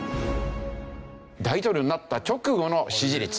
大統領になった直後の支持率。